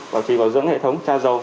bảo trì bảo dưỡng hệ thống tra dầu